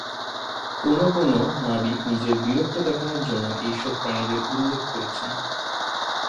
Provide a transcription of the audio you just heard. কোন কোন নাবিক নিজের বীরত্ব দেখানোর জন্য এই সব প্রাণীদের উল্লেখ করেছেন।